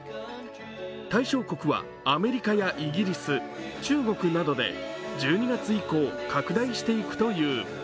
対象国はアメリカやイギリス、中国などで１２月以降拡大していくという。